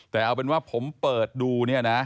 แต่เอาเป็นว่าผมเปิดดู